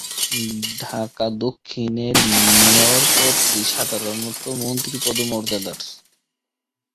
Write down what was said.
ঢাকা দক্ষিণের মেয়র পদটি সাধারণত মন্ত্রী পদমর্যাদার।